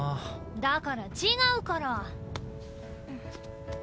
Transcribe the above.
だから違うから。